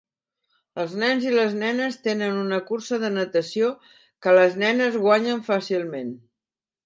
Els nens i les nenes tenen una cursa de natació que les nenes guanyen fàcilment.